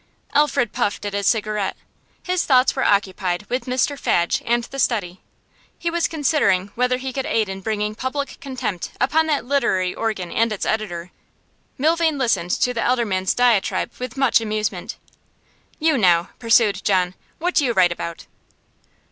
Alfred puffed at his cigarette. His thoughts were occupied with Mr Fadge and The Study. He was considering whether he could aid in bringing public contempt upon that literary organ and its editor. Milvain listened to the elder man's diatribe with much amusement. 'You, now,' pursued John, 'what do you write about?